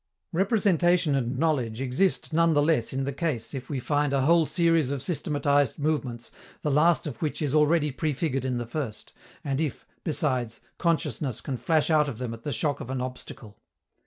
Representation and knowledge exist none the less in the case if we find a whole series of systematized movements the last of which is already pre figured in the first, and if, besides, consciousness can flash out of them at the shock of an obstacle.